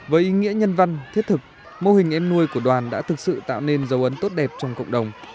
với ý nghĩa nhân văn thiết thực mô hình em nuôi của đoàn đã thực sự tạo nên dấu ấn tốt đẹp trong cộng đồng